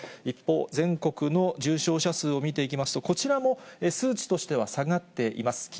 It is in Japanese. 一方、全国の重症者数を見ていきますと、こちらも数値としては下がっています。